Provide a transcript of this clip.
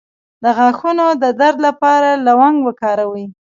د غاښونو د درد لپاره لونګ وکاروئ